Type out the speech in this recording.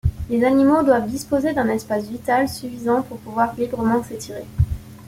Les animaux doivent disposer d'un espace vital suffisant pour pouvoir librement s'étirer.